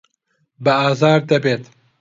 بە ئازار دەبێت.